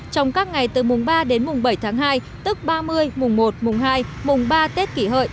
trong các ngày từ mùng ba đến mùng bảy tháng hai tức ba mươi mùng một mùng hai mùng ba tết kỷ hợi